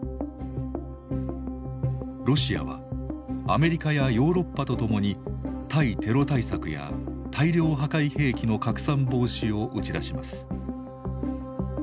ロシアはアメリカやヨーロッパと共に「対テロ対策」や「大量破壊兵器の拡散防止」を打ち出します。